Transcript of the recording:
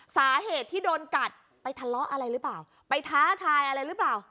สาเหตุที่โดนกัดไปทะเลาะอะไรหรือเปล่าไปท้าทายอะไรหรือเปล่า